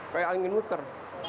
kayak angin muter